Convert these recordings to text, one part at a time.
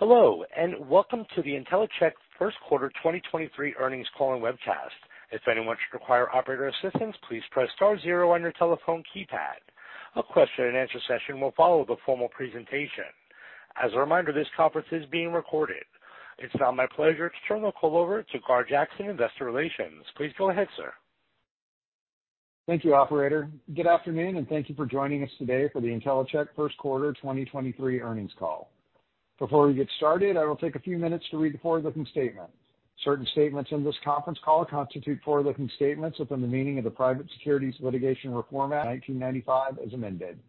Hello, welcome to the Intellicheck first quarter 2023 earnings call and webcast. If anyone should require operator assistance, please press star zero on your telephone keypad. A question-and-answer session will follow the formal presentation. As a reminder, this conference is being recorded. It's now my pleasure to turn the call over to Gar Jackson, Investor Relations. Please go ahead, sir. Thank you, operator. Good afternoon, thank you for joining us today for the Intellicheck first quarter 2023 earnings call. Before we get started, I will take a few minutes to read the forward-looking statement. Certain statements in this conference call constitute forward-looking statements within the meaning of the Private Securities Litigation Reform Act of 1995, as amended.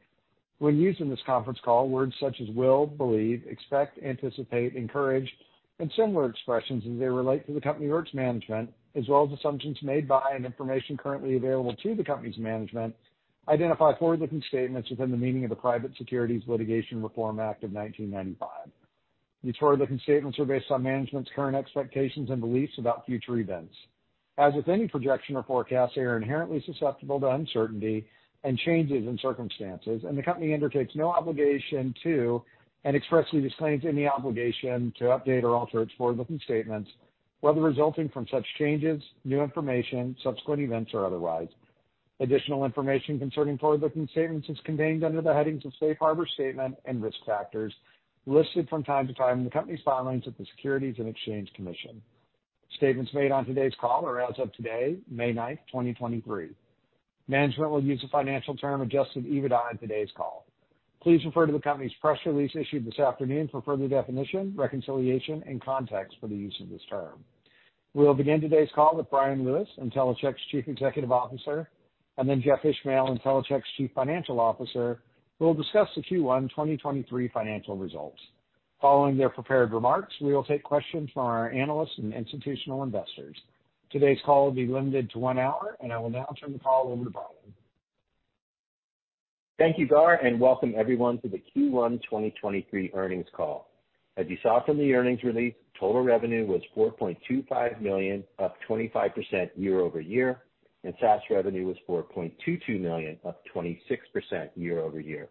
When used in this conference call, words such as will, believe, expect, anticipate, encourage, and similar expressions as they relate to the company or its management, as well as assumptions made by and information currently available to the company's management, identify forward-looking statements within the meaning of the Private Securities Litigation Reform Act of 1995. These forward-looking statements are based on management's current expectations and beliefs about future events. As with any projection or forecast, they are inherently susceptible to uncertainty and changes in circumstances, and the company undertakes no obligation to, and expressly disclaims any obligation to update or alter its forward-looking statements, whether resulting from such changes, new information, subsequent events, or otherwise. Additional information concerning forward-looking statements is contained under the headings of Safe Harbor Statement and Risk Factors listed from time to time in the company's filings with the Securities and Exchange Commission. Statements made on today's call are as of today, May 9th, 2023. Management will use the financial term adjusted EBITDA on today's call. Please refer to the company's press release issued this afternoon for further definition, reconciliation, and context for the use of this term. We will begin today's call with Bryan Lewis, Intellicheck's Chief Executive Officer, and then Jeff Ishmael, Intellicheck's Chief Financial Officer, who will discuss the Q1 2023 financial results. Following their prepared remarks, we will take questions from our analysts and institutional investors. Today's call will be limited to one hour. I will now turn the call over to Brian. Thank you, Gar, welcome everyone to the Q1 2023 earnings call. As you saw from the earnings release, total revenue was $4.25 million, up 25% year-over-year, SaaS revenue was $4.22 million, up 26% year-over-year.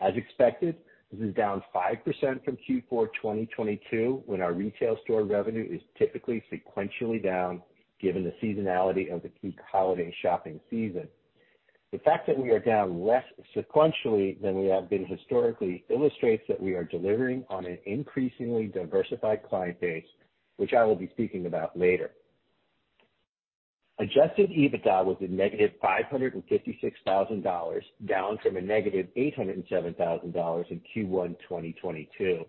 As expected, this is down 5% from Q4 2022 when our retail store revenue is typically sequentially down given the seasonality of the peak holiday shopping season. The fact that we are down less sequentially than we have been historically illustrates that we are delivering on an increasingly diversified client base, which I will be speaking about later. Adjusted EBITDA was a negative $556,000, down from a negative $807,000 in Q1 2022.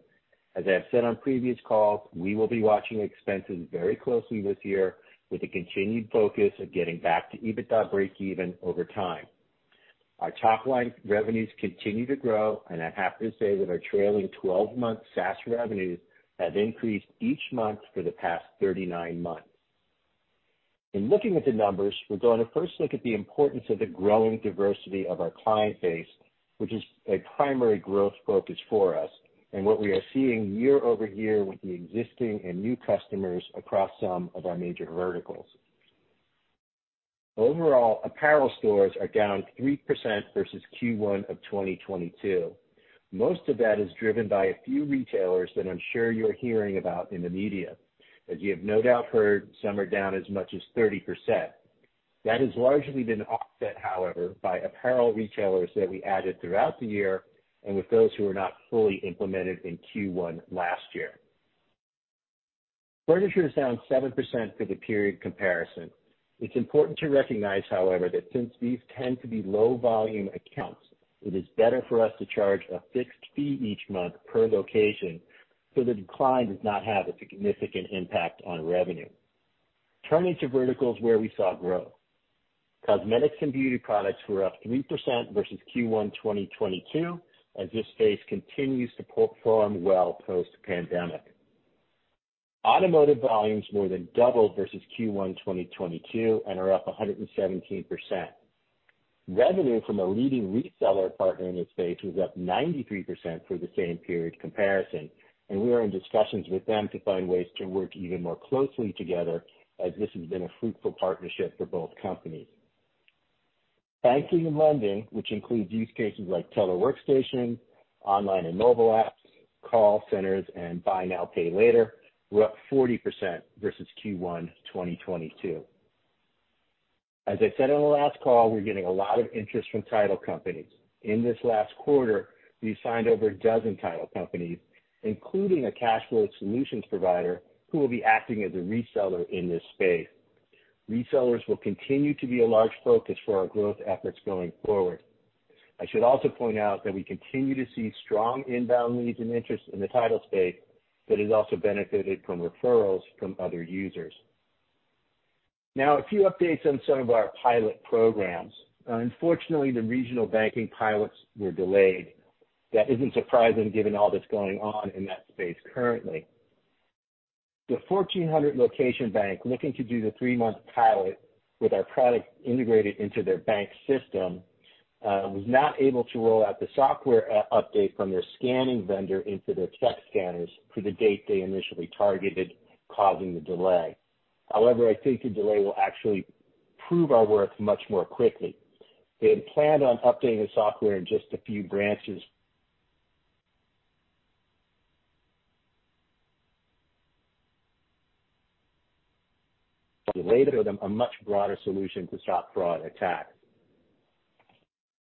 As I have said on previous calls, we will be watching expenses very closely this year with a continued focus of getting back to EBITDA breakeven over time. Our top-line revenues continue to grow, and I have to say that our trailing 12-month SaaS revenues have increased each month for the past 39 months. In looking at the numbers, we're going to first look at the importance of the growing diversity of our client base, which is a primary growth focus for us, and what we are seeing year-over-year with the existing and new customers across some of our major verticals. Overall, apparel stores are down 3% versus Q1 of 2022. Most of that is driven by a few retailers that I'm sure you're hearing about in the media. As you have no doubt heard, some are down as much as 30%. That has largely been offset, however, by apparel retailers that we added throughout the year and with those who were not fully implemented in Q1 last year. Furniture is down 7% for the period comparison. It's important to recognize, however, that since these tend to be low volume accounts, it is better for us to charge a fixed fee each month per location, so the decline does not have a significant impact on revenue. Turning to verticals where we saw growth. Cosmetics and beauty products were up 3% versus Q1 2022, as this space continues to perform well post-pandemic. Automotive volumes more than doubled versus Q1 2022 and are up 117%. Revenue from a leading reseller partner in this space was up 93% for the same period comparison, and we are in discussions with them to find ways to work even more closely together as this has been a fruitful partnership for both companies. Banking and lending, which includes use cases like teller workstations, online and mobile apps, call centers, and buy now, pay later, were up 40% versus Q1 2022. As I said on the last call, we're getting a lot of interest from title companies. In this last quarter, we signed over 12 title companies, including a cash flow solutions provider who will be acting as a reseller in this space. Resellers will continue to be a large focus for our growth efforts going forward. I should also point out that we continue to see strong inbound leads and interest in the title space that has also benefited from referrals from other users. Now, a few updates on some of our pilot programs. Unfortunately, the regional banking pilots were delayed. That isn't surprising given all that's going on in that space currently. The 1,400 location bank looking to do the three-month pilot with our product integrated into their bank system, was not able to roll out the software update from their scanning vendor into their check scanners for the date they initially targeted, causing the delay. However, I think the delay will actually prove our worth much more quickly. They had planned on updating the software in just a few branches. Later, with a much broader solution to stop fraud attacks.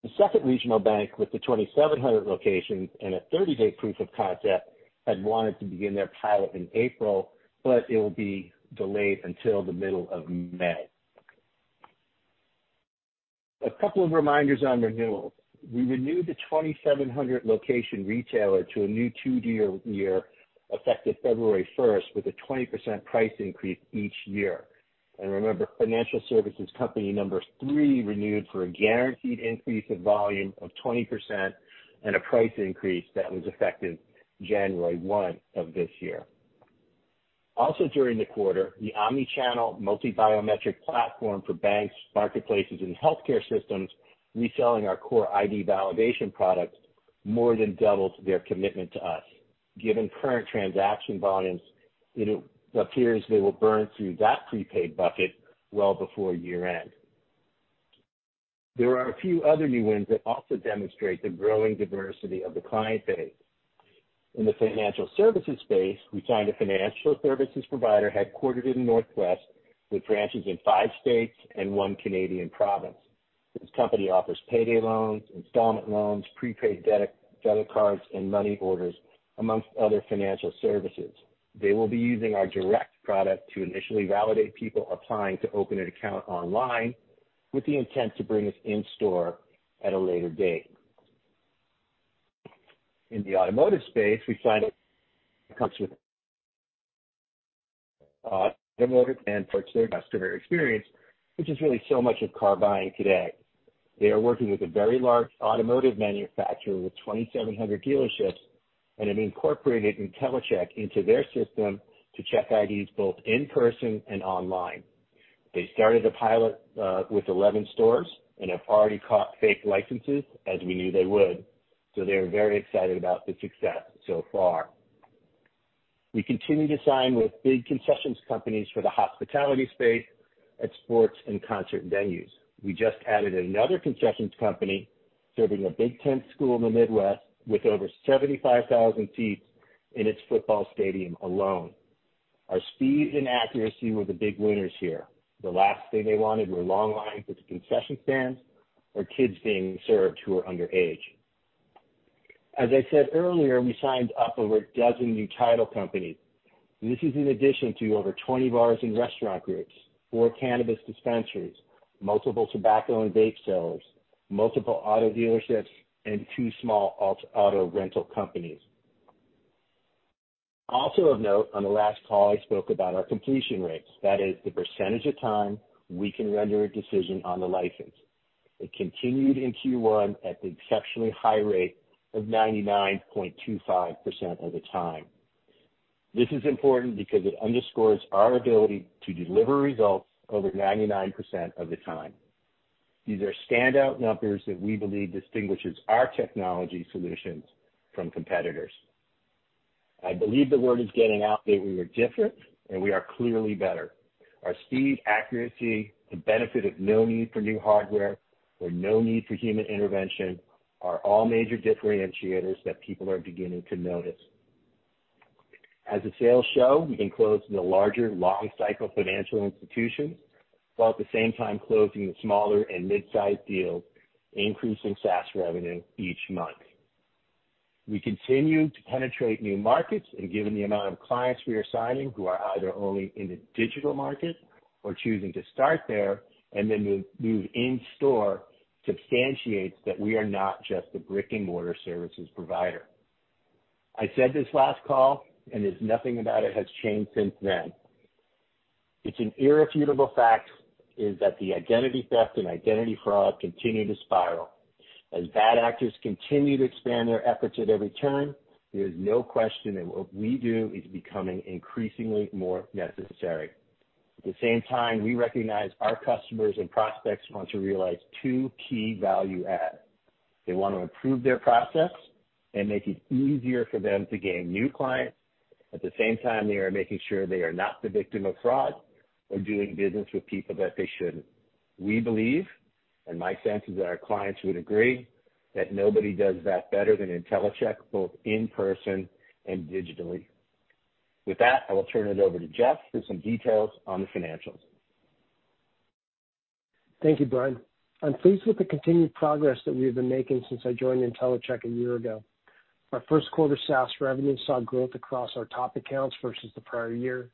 The second regional bank with the 2,700 locations and a 30-day proof of concept had wanted to begin their pilot in April. It will be delayed until the middle of May. A couple of reminders on renewals. We renewed the 2,700 location retailer to a new two-year, effective February 1st, with a 20% price increase each year. Remember, financial services company number three renewed for a guaranteed increase of volume of 20% and a price increase that was effective January 1 of this year. During the quarter, the omni-channel multi-biometric platform for banks, marketplaces and healthcare systems reselling our core ID validation products more than doubled their commitment to us. Given current transaction volumes, it appears they will burn through that prepaid bucket well before year-end. There are a few other new wins that also demonstrate the growing diversity of the client base. In the financial services space, we signed a financial services provider headquartered in the Northwest with branches in five states and one Canadian province. This company offers payday loans, installment loans, prepaid debit cards and money orders, amongst other financial services. They will be using our direct product to initially validate people applying to open an account online with the intent to bring us in-store at a later date. In the automotive space, we find it comes with automotive and parts of their customer experience, which is really so much of car buying today. They are working with a very large automotive manufacturer with 2,700 dealerships and have incorporated Intellicheck into their system to check IDs both in person and online. They started a pilot with 11 stores and have already caught fake licenses, as we knew they would. They are very excited about the success so far. We continue to sign with big concessions companies for the hospitality space at sports and concert venues. We just added another concessions company serving a Big Ten school in the Midwest with over 75,000 seats in its football stadium alone. Our speed and accuracy were the big winners here. The last thing they wanted were long lines at the concession stands or kids being served who are underage. As I said earlier, we signed up over 12 new title companies, and this is in addition to over 20 bars and restaurant groups, four cannabis dispensaries, multiple tobacco and vape sellers, multiple auto dealerships and two small auto rental companies. Of note, on the last call, I spoke about our completion rates. That is the percentage of time we can render a decision on the license. It continued in Q1 at the exceptionally high rate of 99.25% of the time. This is important because it underscores our ability to deliver results over 99% of the time. These are standout numbers that we believe distinguishes our technology solutions from competitors. I believe the word is getting out that we are different and we are clearly better. Our speed, accuracy, the benefit of no need for new hardware or no need for human intervention are all major differentiators that people are beginning to notice. As the sales show, we can close the larger long cycle financial institutions while at the same time closing the smaller and mid-sized deals, increasing SaaS revenue each month. We continue to penetrate new markets and given the amount of clients we are signing who are either only in the digital market or choosing to start there and then move in-store substantiates that we are not just a brick-and-mortar services provider. I said this last call and there's nothing about it has changed since then. It's an irrefutable fact is that the identity theft and identity fraud continue to spiral. As bad actors continue to expand their efforts at every turn, there is no question that what we do is becoming increasingly more necessary. At the same time, we recognize our customers and prospects want to realize two key value adds. They want to improve their process and make it easier for them to gain new clients. At the same time, they are making sure they are not the victim of fraud or doing business with people that they shouldn't. We believe, and my sense is that our clients would agree, that nobody does that better than Intellicheck, both in person and digitally. With that, I will turn it over to Jeff for some details on the financials. Thank you, Brian. I'm pleased with the continued progress that we have been making since I joined Intellicheck one year ago. Our first quarter SaaS revenue saw growth across our top accounts versus the prior year,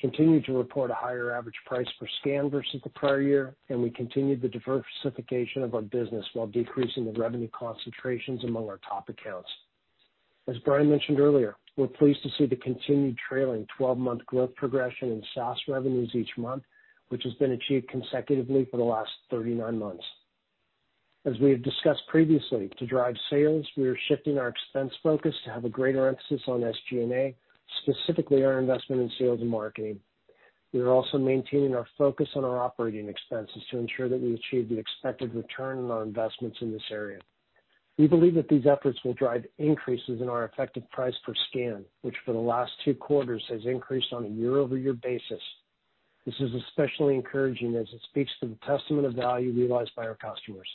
continued to report a higher average price per scan versus the prior year, and we continued the diversification of our business while decreasing the revenue concentrations among our top accounts. As Brian mentioned earlier, we're pleased to see the continued trailing 12-month growth progression in SaaS revenues each month, which has been achieved consecutively for the last 39 months. As we have discussed previously, to drive sales, we are shifting our expense focus to have a greater emphasis on SG&A, specifically our investment in sales and marketing. We are also maintaining our focus on our operating expenses to ensure that we achieve the expected return on our investments in this area. We believe that these efforts will drive increases in our effective price per scan, which for the last two quarters has increased on a year-over-year basis. This is especially encouraging as it speaks to the testament of value realized by our customers.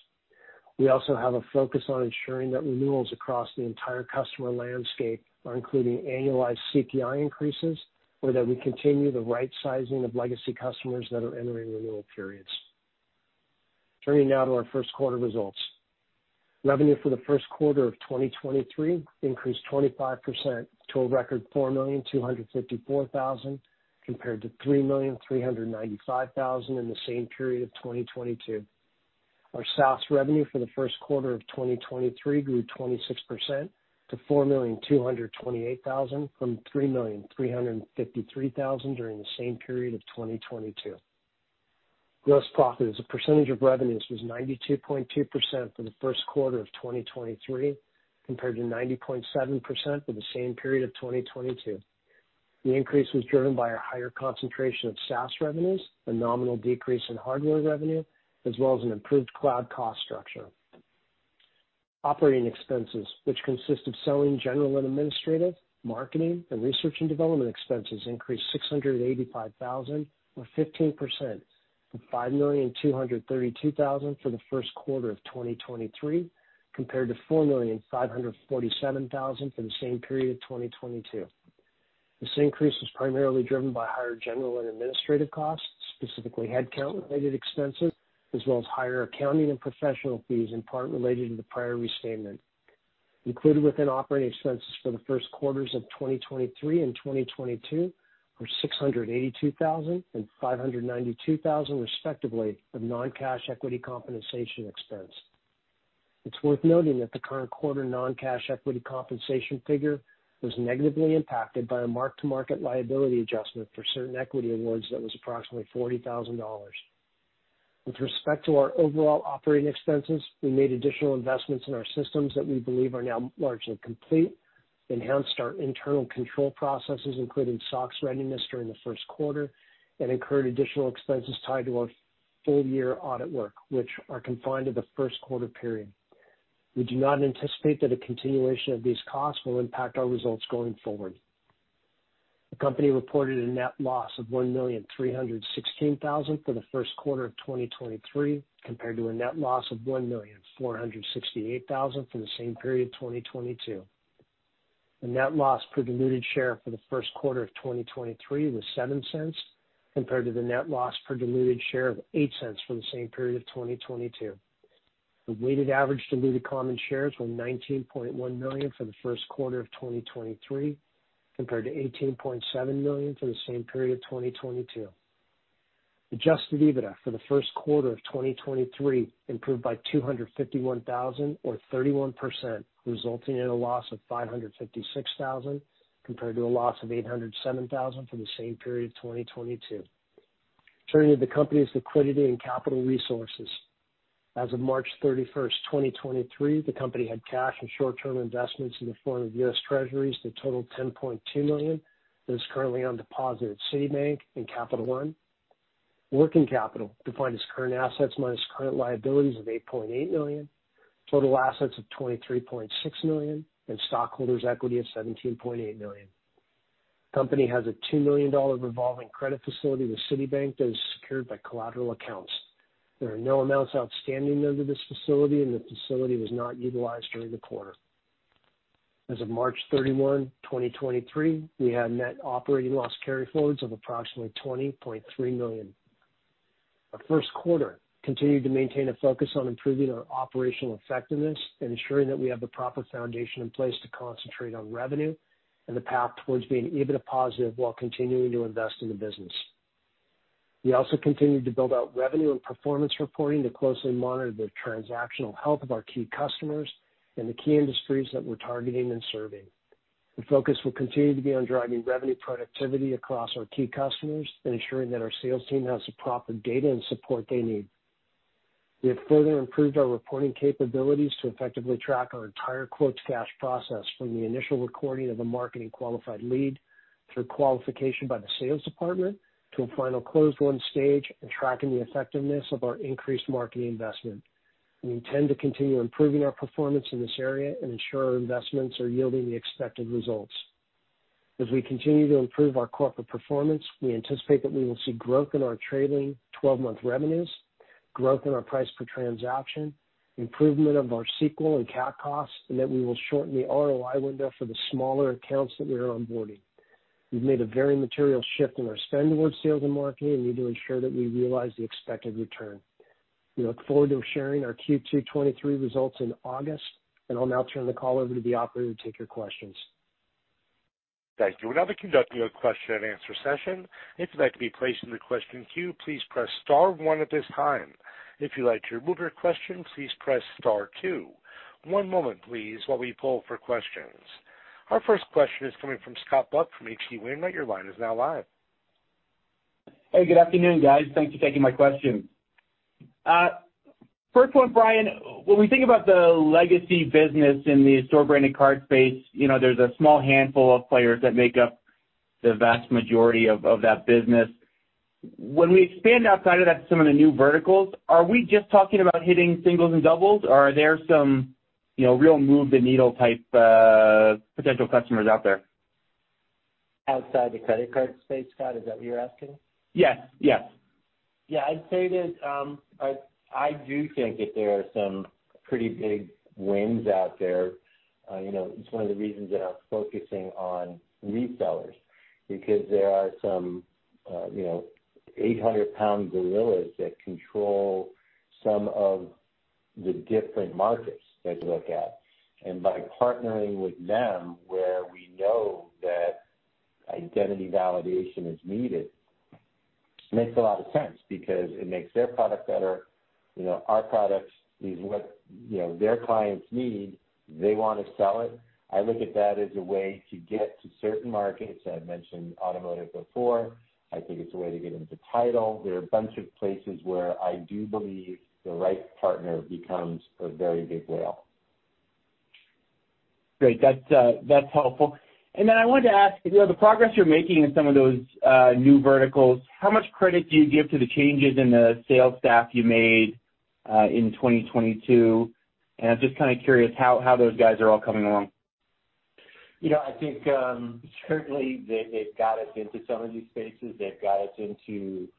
We also have a focus on ensuring that renewals across the entire customer landscape are including annualized CPI increases or that we continue the right sizing of legacy customers that are entering renewal periods. Turning now to our first quarter results. Revenue for the first quarter of 2023 increased 25% to a record $4,254,000 compared to $3,395,000 in the same period of 2022. Our SaaS revenue for the first quarter of 2023 grew 26% to $4,228,000 from $3,353,000 during the same period of 2022. Gross profit as a percentage of revenues was 92.2% for the first quarter of 2023, compared to 90.7% for the same period of 2022. The increase was driven by a higher concentration of SaaS revenues, a nominal decrease in hardware revenue, as well as an improved cloud cost structure. Operating expenses, which consist of selling, general and administrative, marketing, and research and development expenses, increased $685,000, or 15%, from $5,232,000 for the first quarter of 2023, compared to $4,547,000 for the same period of 2022. This increase was primarily driven by higher general and administrative costs, specifically headcount related expenses, as well as higher accounting and professional fees in part related to the prior restatement. Included within operating expenses for the first quarters of 2023 and 2022 were $682,000 and $592,000, respectively, of non-cash equity compensation expense. It's worth noting that the current quarter non-cash equity compensation figure was negatively impacted by a mark-to-market liability adjustment for certain equity awards that was approximately $40,000. With respect to our overall operating expenses, we made additional investments in our systems that we believe are now largely complete, enhanced our internal control processes, including SOX readiness during the first quarter, and incurred additional expenses tied to our full year audit work, which are confined to the first quarter period. We do not anticipate that a continuation of these costs will impact our results going forward. The company reported a net loss of $1,316,000 for the first quarter of 2023, compared to a net loss of $1,468,000 for the same period 2022. The net loss per diluted share for the first quarter of 2023 was $0.07, compared to the net loss per diluted share of $0.08 for the same period of 2022. The weighted average diluted common shares were 19.1 million for the first quarter of 2023, compared to 18.7 million for the same period of 2022. Adjusted EBITDA for the first quarter of 2023 improved by $251,000 or 31%, resulting in a loss of $556,000, compared to a loss of $807,000 for the same period 2022. Turning to the company's liquidity and capital resources. As of March 31st, 2023, the company had cash and short-term investments in the form of U.S. Treasuries that totaled $10.2 million that is currently on deposit at Citibank and Capital One. Working capital defined as current assets minus current liabilities of $8.8 million, total assets of $23.6 million, and stockholders' equity of $17.8 million. Company has a $2 million revolving credit facility with Citibank that is secured by collateral accounts. There are no amounts outstanding under this facility, and the facility was not utilized during the quarter. As of March 31, 2023, we had net operating loss carryforwards of approximately $20.3 million. Our first quarter continued to maintain a focus on improving our operational effectiveness and ensuring that we have the proper foundation in place to concentrate on revenue and the path towards being EBITDA positive while continuing to invest in the business. We also continued to build out revenue and performance reporting to closely monitor the transactional health of our key customers and the key industries that we're targeting and serving. The focus will continue to be on driving revenue productivity across our key customers and ensuring that our sales team has the proper data and support they need. We have further improved our reporting capabilities to effectively track our entire quote-to-cash process from the initial recording of a marketing qualified lead through qualification by the sales department to a final closed one stage and tracking the effectiveness of our increased marketing investment. We intend to continue improving our performance in this area and ensure our investments are yielding the expected results. As we continue to improve our corporate performance, we anticipate that we will see growth in our trailing 12-month revenues, growth in our price per transaction, improvement of our SQL and CAC costs, and that we will shorten the ROI window for the smaller accounts that we are onboarding. We've made a very material shift in our spend towards sales and marketing and need to ensure that we realize the expected return. We look forward to sharing our Q2 2023 results in August. I'll now turn the call over to the operator to take your questions. Thank you. We're now conducting a question-and-answer session. If you'd like to be placed in the question queue, please press star one at this time. If you'd like to remove your question, please press star two. One moment, please, while we poll for questions. Our first question is coming from Scott Buck from H.C. Wainwright. Your line is now live. Hey, good afternoon, guys. Thanks for taking my question. First one, Brian, when we think about the legacy business in the store branded card space, you know, there's a small handful of players that make up the vast majority of that business. When we expand outside of that to some of the new verticals, are we just talking about hitting singles and doubles, or are there some, you know, real move the needle type, potential customers out there. Outside the credit card space, Scott, is that what you're asking? Yes. Yes. Yeah, I'd say that, I do think that there are some pretty big wins out there. You know, it's one of the reasons that I'm focusing on resellers because there are some, you know, 800 lbs gorillas that control some of the different markets that you look at. By partnering with them where we know that identity validation is needed, makes a lot of sense because it makes their product better. You know, our products is what, you know, their clients need. They wanna sell it. I look at that as a way to get to certain markets. I mentioned automotive before. I think it's a way to get into title. There are a bunch of places where I do believe the right partner becomes a very big whale. Great. That's, that's helpful. Then I wanted to ask if, you know, the progress you're making in some of those, new verticals, how much credit do you give to the changes in the sales staff you made, in 2022? I'm just kinda curious how those guys are all coming along. I think, certainly they've got us into some of these spaces. They've got us into, you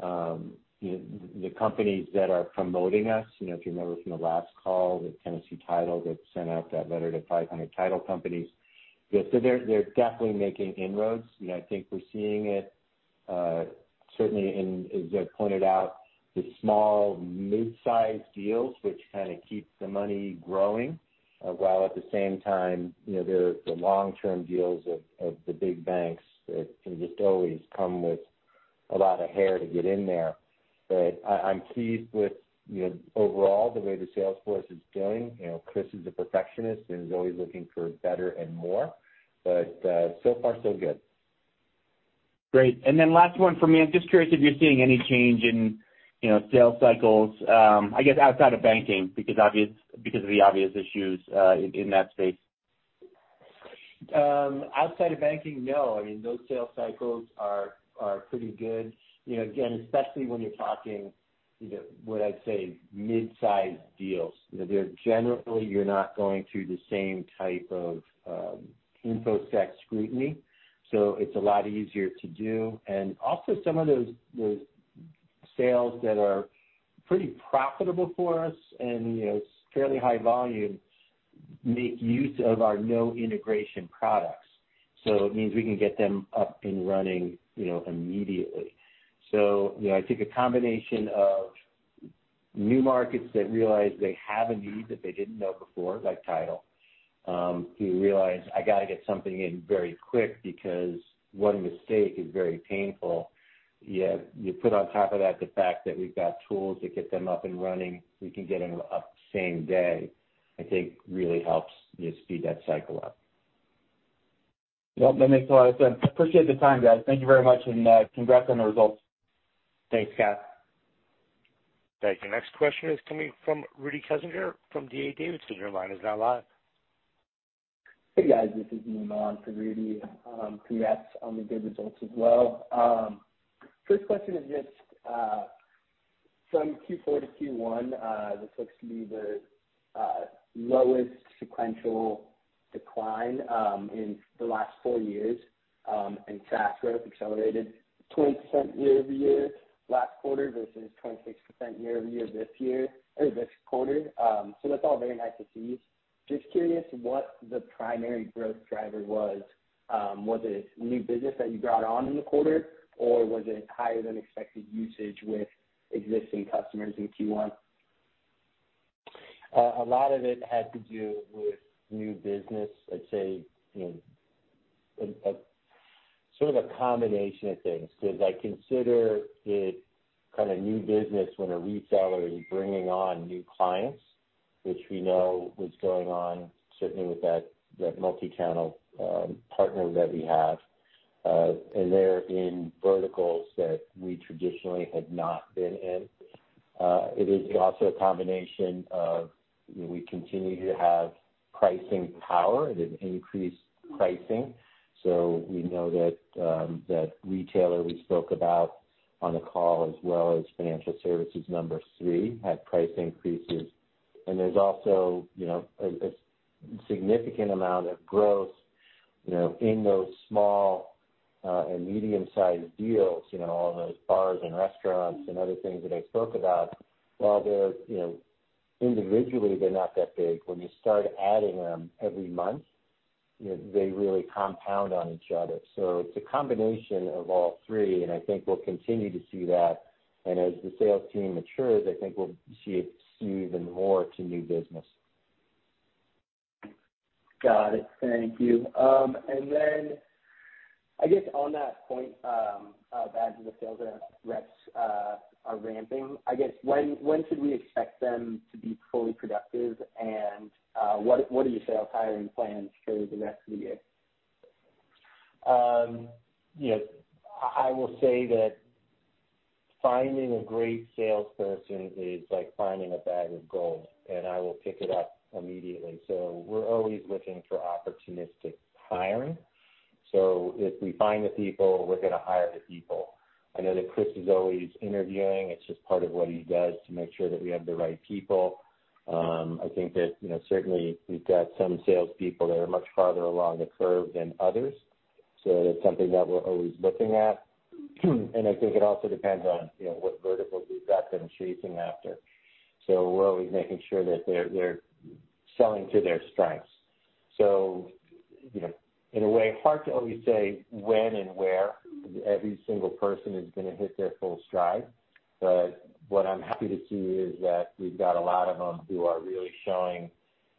know, the companies that are promoting us. If you remember from the last call with Tennessee Title that sent out that letter to 500 title companies. They're definitely making inroads. I think we're seeing it, certainly in, as I pointed out, the small mid-sized deals, which kinda keeps the money growing, while at the same time, you know, they're the long-term deals of the big banks that can just always come with a lot of hair to get in there. I'm pleased with, you know, overall the way the sales force is doing. Chris is a perfectionist and is always looking for better and more, so far so good. Great. Last one for me, I'm just curious if you're seeing any change in, you know, sales cycles, I guess outside of banking, because of the obvious issues in that space. Outside of banking, no. I mean, those sales cycles are pretty good. You know, again, especially when you're talking, you know, what I'd say mid-size deals. You know, they're generally you're not going through the same type of InfoSec scrutiny, so it's a lot easier to do. Some of those sales that are pretty profitable for us and, you know, fairly high volume make use of our no integration products. It means we can get them up and running, you know, immediately. You know, I think a combination of new markets that realize they have a need that they didn't know before, like title, who realize I gotta get something in very quick because one mistake is very painful. You put on top of that the fact that we've got tools to get them up and running, we can get them up same day, I think really helps, you know, speed that cycle up. Well, that makes a lot of sense. Appreciate the time, guys. Thank you very much. Congrats on the results. Thanks, Scott. Thank you. Next question is coming from Rudy Kessinger from D.A. Davidson. Your line is now live. Hey, guys. This is Mina on for Rudy. Congrats on the good results as well. First question is just from Q4 to Q1, this looks to be the lowest sequential decline, in the last four years. SaaS growth accelerated 20% year-over-year, last quarter versus 26% year-over-year this year or this quarter. That's all very nice to see. Just curious what the primary growth driver was. Was it new business that you brought on in the quarter, or was it higher than expected usage with existing customers in Q1? A lot of it had to do with new business. I'd say, you know, a sort of a combination of things because I consider it kinda new business when a reseller is bringing on new clients, which we know was going on certainly with that multi-channel partner that we have. They're in verticals that we traditionally have not been in. It is also a combination of we continue to have pricing power and increased pricing. We know that retailer we spoke about on the call as well as financial services number three had price increases. There's also, you know, a significant amount of growth, you know, in those small and medium-sized deals. You know, all those bars and restaurants and other things that I spoke about. While they're, you know, individually they're not that big, when you start adding them every month, you know, they really compound on each other. It's a combination of all three, and I think we'll continue to see that. As the sales team matures, I think we'll see it skew even more to new business. Got it. Thank you. I guess on that point, as the sales reps are ramping, I guess when should we expect them to be fully productive? What are your sales hiring plans through the rest of the year? You know, I will say that finding a great salesperson is like finding a bag of gold, and I will pick it up immediately. We're always looking for opportunistic hiring. If we find the people, we're gonna hire the people. I know that Chris is always interviewing. It's just part of what he does to make sure that we have the right people. I think that, you know, certainly we've got some salespeople that are much farther along the curve than others. That's something that we're always looking at. I think it also depends on, you know, what verticals we've got them chasing after. We're always making sure that they're selling to their strengths. You know, in a way, hard to always say when and where every single person is gonna hit their full stride. What I'm happy to see is that we've got a lot of them who are really showing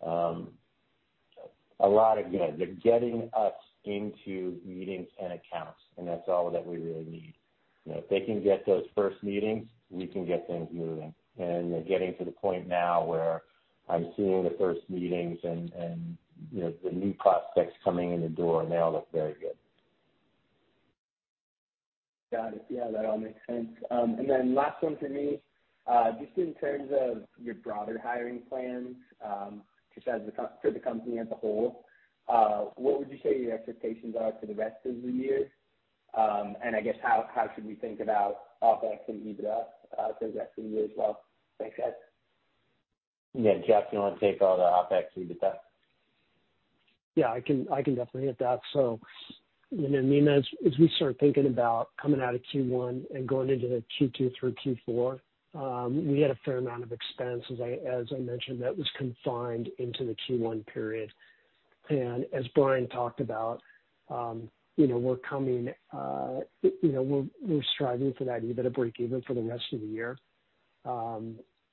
a lot of good. They're getting us into meetings and accounts, and that's all that we really need. You know, if they can get those first meetings, we can get things moving. They're getting to the point now where I'm seeing the first meetings and, you know, the new prospects coming in the door, and they all look very good. Got it. Yeah, that all makes sense. Last one for me, just in terms of your broader hiring plans, just as for the company as a whole, what would you say your expectations are for the rest of the year? I guess how should we think about OpEx and EBITDA, for the rest of the year as well? Thanks, guys. Yeah, Jeff, do you want to take all the OpEx, EBITDA? Yeah, I can definitely hit that. You know, Mina, as we start thinking about coming out of Q1 and going into the Q2 through Q4, we had a fair amount of expense, as I mentioned, that was confined into the Q1 period. As Brian talked about, you know, we're striving for that EBITDA breakeven for the rest of the year.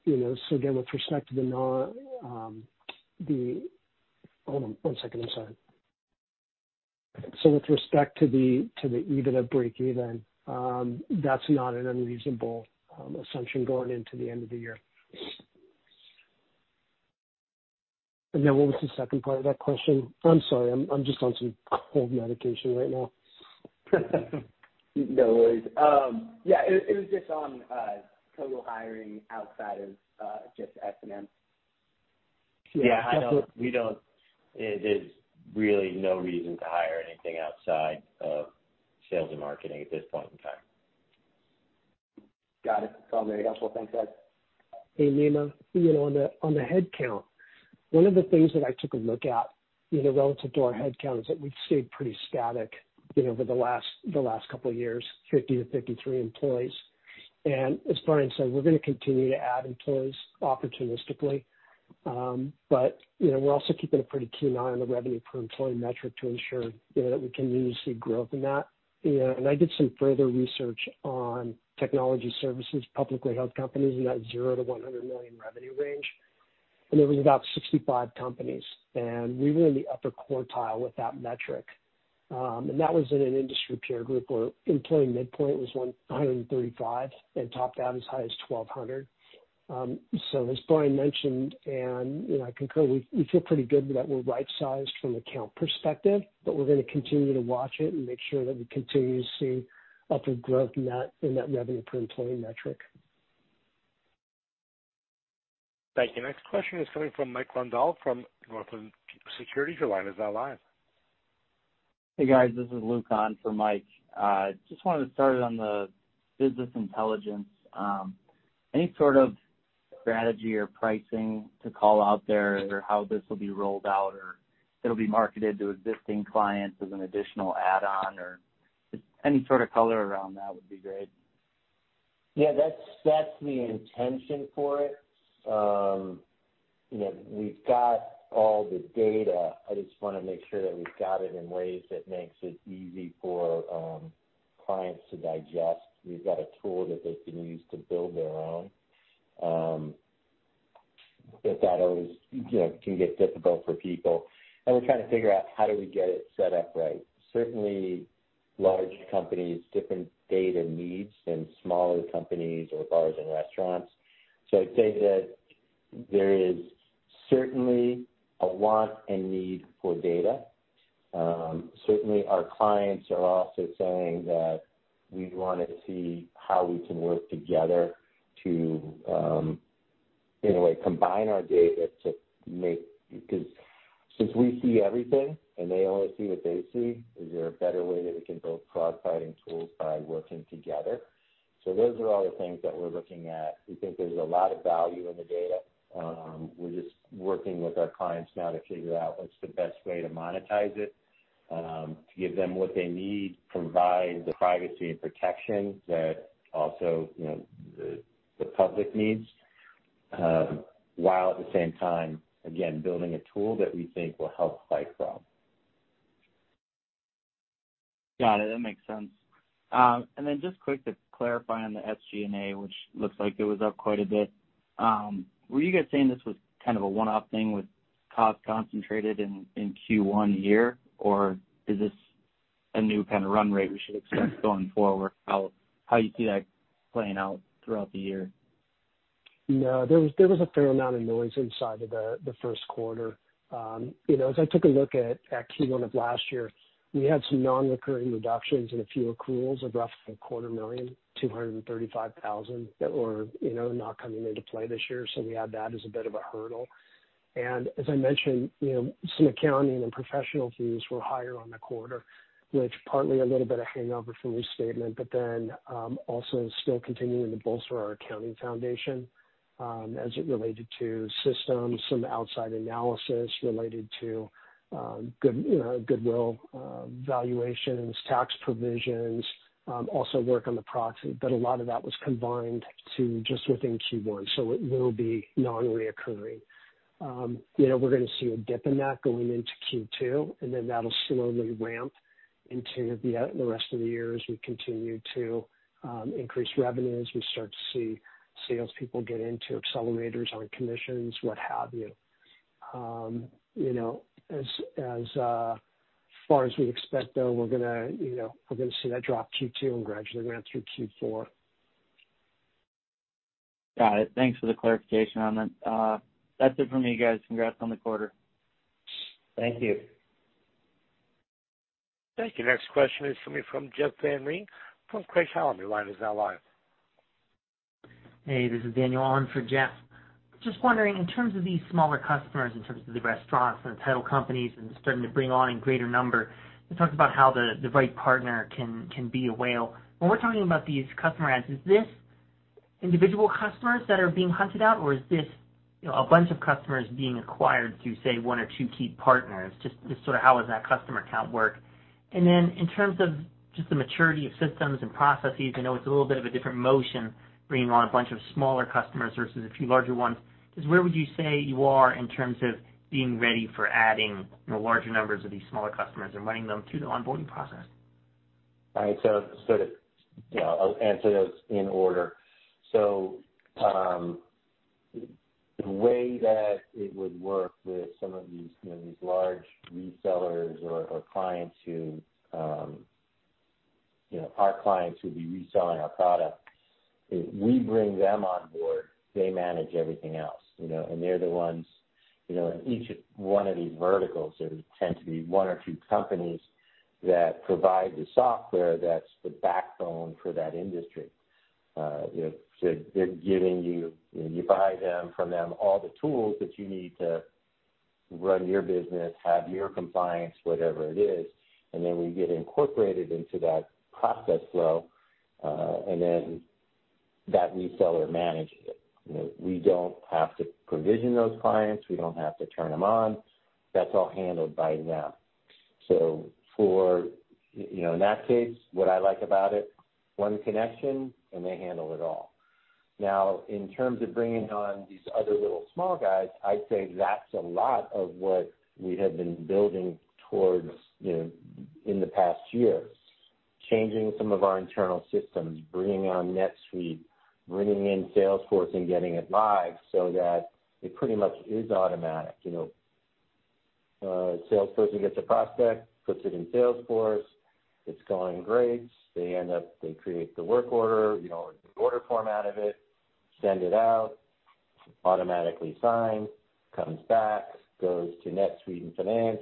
You know, again, with respect to the non. Hold on one second. I'm sorry. With respect to the EBITDA breakeven, that's not an unreasonable assumption going into the end of the year. What was the second part of that question? I'm sorry. I'm just on some cold medication right now. No worries. Yeah, it was just on total hiring outside of just S&M. Yeah. It is really no reason to hire anything outside of sales and marketing at this point in time. Got it. Sounds very helpful. Thanks, guys. Hey, Mina. You know, on the headcount, one of the things that I took a look at, you know, relative to our headcount is that we've stayed pretty static, you know, over the last couple of years, 50-53 employees. As Brian Lewis said, we're gonna continue to add employees opportunistically. You know, we're also keeping a pretty keen eye on the revenue per employee metric to ensure, you know, that we continue to see growth in that. You know, I did some further research on technology services, publicly held companies in that $0-$100 million revenue range. There was about 65 companies, and we were in the upper quartile with that metric. That was in an industry peer group where employee midpoint was 135 and topped out as high as 1,200. As Brian mentioned, and, you know, I concur, we feel pretty good that we're right-sized from an account perspective, but we're gonna continue to watch it and make sure that we continue to see upward growth in that, in that revenue per employee metric. Thank you. Next question is coming from Mike Grondahl from Northland Securities. Your line is now live. Hey, guys. This is Logan for Mike. Just wanted to start on the business intelligence. Any sort of strategy or pricing to call out there or how this will be rolled out or it'll be marketed to existing clients as an additional add-on or just any sort of color around that would be great? Yeah, that's the intention for it. You know, we've got all the data. I just wanna make sure that we've got it in ways that makes it easy for clients to digest. We've got a tool that they can use to build their own. That always, you know, can get difficult for people. We're trying to figure out how do we get it set up right. Certainly large companies, different data needs than smaller companies or bars and restaurants. I'd say that there is certainly a want and need for data. Certainly our clients are also saying that we wanna see how we can work together to in a way combine our data to make... Because since we see everything and they only see what they see, is there a better way that we can build cross-cutting tools by working together? Those are all the things that we're looking at. We think there's a lot of value in the data. We're just working with our clients now to figure out what's the best way to monetize it, to give them what they need, provide the privacy and protection that also, you know, the public needs, while at the same time, again, building a tool that we think will help fight fraud. Got it. That makes sense. Just quick to clarify on the SG&A, which looks like it was up quite a bit. Were you guys saying this was kind of a one-off thing with costs concentrated in Q1 here, or is this a new kind of run rate we should expect going forward? How you see that playing out throughout the year? No. There was a fair amount of noise inside of the first quarter. You know, as I took a look at Q1 of last year, we had some non-recurring reductions and a few accruals of roughly 1/4 million, $235,000 that were, you know, not coming into play this year. We had that as a bit of a hurdle. As I mentioned, you know, some accounting and professional fees were higher on the quarter, which partly a little bit of hangover from restatement, also still continuing to bolster our accounting foundation as it related to systems, some outside analysis related to good, you know, goodwill, valuations, tax provisions, also work on the proxy. A lot of that was combined to just within Q1, it will be non-reoccurring. You know, we're gonna see a dip in that going into Q2, that'll slowly ramp into the rest of the year as we continue to increase revenues, we start to see salespeople get into accelerators on commissions, what have you. You know, as far as we expect though, we're gonna, you know, we're gonna see that drop Q2 and gradually ramp through Q4. Got it. Thanks for the clarification on that. That's it for me, guys. Congrats on the quarter. Thank you. Thank you. Next question is coming from Jeff Van Rhee from Craig-Hallum. Your line is now live. Hey, this is Daniel on for Jeff. Just wondering, in terms of these smaller customers, in terms of the restaurants and the title companies and starting to bring on in greater number, you talked about how the right partner can be a whale. When we're talking about these customer adds, is this individual customers that are being hunted out, or is this, you know, a bunch of customers being acquired through, say, one or two key partners? Just sort of how does that customer count work? In terms of just the maturity of systems and processes, I know it's a little bit of a different motion bringing on a bunch of smaller customers versus a few larger ones. Just where would you say you are in terms of being ready for adding the larger numbers of these smaller customers and running them through the onboarding process? All right, you know, I'll answer those in order. The way that it would work with some of these, you know, these large resellers or clients who, you know, our clients who'd be reselling our product is we bring them on board, they manage everything else, you know. They're the ones, you know, in each one of these verticals, there tend to be one or two companies that provide the software that's the backbone for that industry. You know, so they're giving you know, you buy them from them all the tools that you need to run your business, have your compliance, whatever it is, and then we get incorporated into that process flow, and then that reseller manages it. You know, we don't have to provision those clients. We don't have to turn them on. That's all handled by them. For, you know, in that case, what I like about it, one connection, and they handle it all. In terms of bringing on these other little small guys, I'd say that's a lot of what we have been building towards, you know, in the past year. Changing some of our internal systems, bringing on NetSuite, bringing in Salesforce and getting it live so that it pretty much is automatic. You know, sales person gets a prospect, puts it in Salesforce, it's going great. They end up, they create the work order, you know, the order form out of it, send it out, automatically signed, comes back, goes to NetSuite and finance.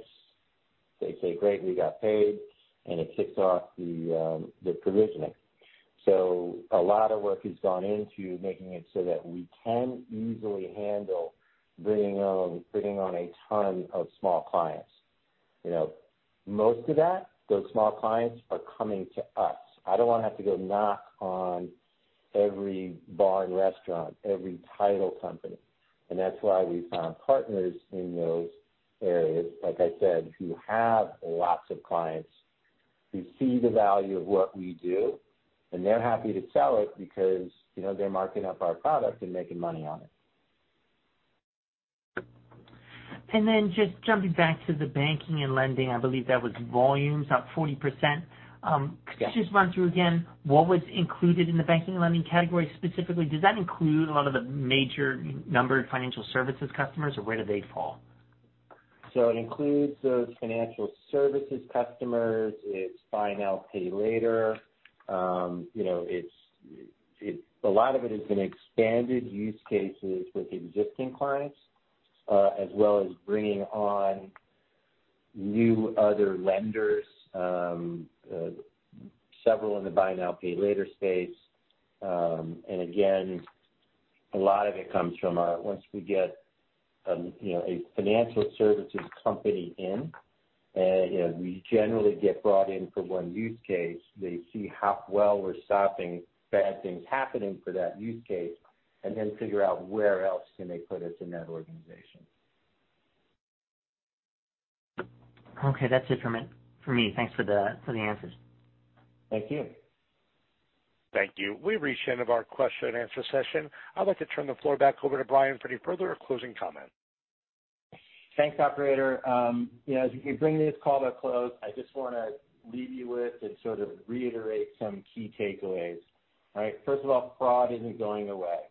They say, "Great, we got paid," and it kicks off the provisioning. A lot of work has gone into making it so that we can easily handle bringing on a ton of small clients. You know, most of that, those small clients are coming to us. I don't wanna have to go knock on every bar and restaurant, every title company. That's why we found partners in those areas, like I said, who have lots of clients, who see the value of what we do. They're happy to sell it because, you know, they're marking up our product and making money on it. Just jumping back to the banking and lending, I believe that was volumes up 40%. Could you just run through again what was included in the banking and lending category specifically? Does that include a lot of the major numbered financial services customers, or where do they fall? It includes those financial services customers. It's buy now, pay later. you know, it's a lot of it has been expanded use cases with existing clients, as well as bringing on new other lenders, several in the buy now, pay later space. Again, a lot of it comes from once we get, you know, a financial services company in, you know, we generally get brought in for one use case. They see how well we're stopping bad things happening for that use case and then figure out where else can they put us in that organization. Okay. That's it for me. Thanks for the answers. Thank you. Thank you. We've reached the end of our question and answer session. I'd like to turn the floor back over to Brian for any further closing comments. Thanks, operator. You know, as we bring this call to a close, I just wanna leave you with and sort of reiterate some key takeaways, right? First of all, fraud isn't going away,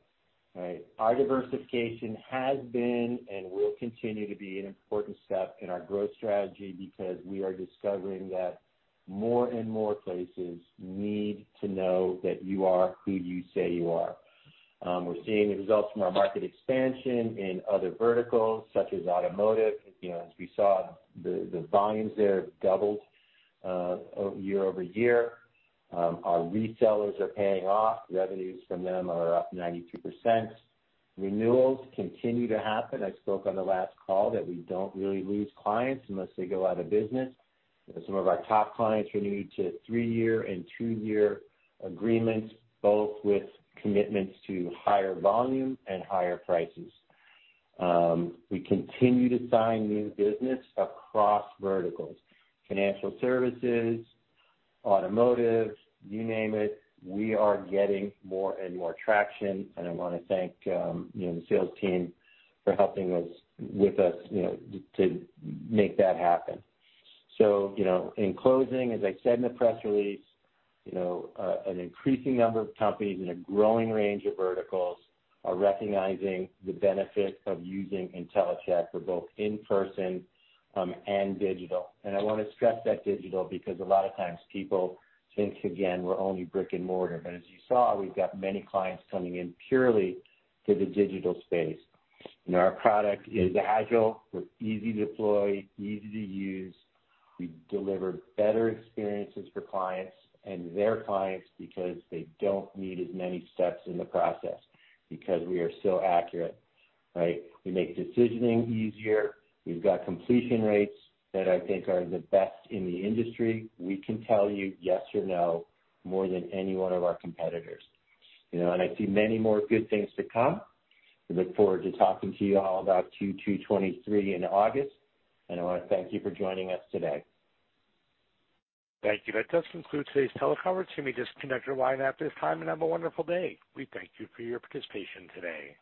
right? Our diversification has been and will continue to be an important step in our growth strategy because we are discovering that more and more places need to know that you are who you say you are. We're seeing the results from our market expansion in other verticals such as automotive. You know, as we saw, the volumes there have doubled, year-over-year. Our resellers are paying off. Revenues from them are up 92%. Renewals continue to happen. I spoke on the last call that we don't really lose clients unless they go out of business. Some of our top clients renewed to three-year and two-year agreements, both with commitments to higher volume and higher prices. We continue to sign new business across verticals, financial services, automotive, you name it. We are getting more and more traction, and I wanna thank, you know, the sales team for helping us, with us, you know, to make that happen. You know, in closing, as I said in the press release, you know, an increasing number of companies in a growing range of verticals are recognizing the benefit of using Intellicheck for both in-person and digital. I wanna stress that digital because a lot of times people think, again, we're only brick and mortar. As you saw, we've got many clients coming in purely to the digital space. Our product is agile. We're easy to deploy, easy to use. We deliver better experiences for clients and their clients because they don't need as many steps in the process because we are so accurate, right? We make decisioning easier. We've got completion rates that I think are the best in the industry. We can tell you yes or no more than any one of our competitors. You know, I see many more good things to come. I look forward to talking to you all about Q2 2023 in August. I wanna thank you for joining us today. Thank you. That does conclude today's teleconference. You may disconnect your line at this time, and have a wonderful day. We thank you for your participation today.